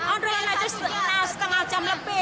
aduh sekengal jam lebih